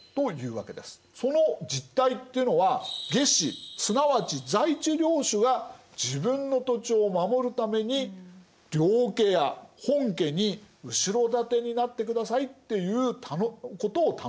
その実態っていうのは下司すなわち在地領主が自分の土地を守るために領家や本家に後ろ盾になってくださいっていうことを頼む。